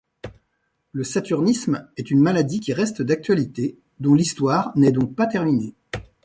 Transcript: Le saturnisme est une maladie qui reste d’actualité, dont l’histoire n’est donc pas terminée.